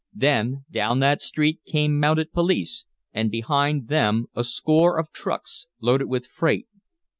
Then down that street came mounted police and behind them a score of trucks loaded with freight.